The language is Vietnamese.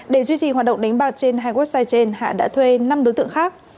để duy trì hoạt động đánh bạc trên hai website trên hạ đã thuê năm đối tượng khác